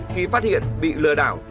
khi phát hiện bị lừa đảo